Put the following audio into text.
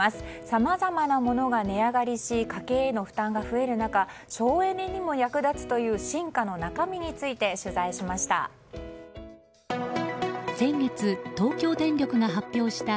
さまざまなものが値上がりし家計への負担が増える中省エネにも役立つという進化の中身について取材しました。